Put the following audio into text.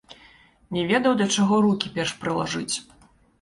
Не ведаў, да чаго рукі перш прылажыць.